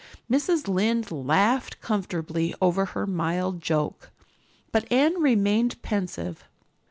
Mrs. Lynde laughed comfortably over her mild joke, but Anne remained pensive.